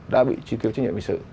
đã bị truy kiếm chứng nhận bình sự